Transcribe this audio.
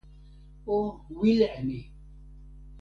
o wile e ni!